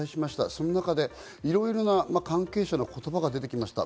その中でいろいろな関係者の言葉が出てきました。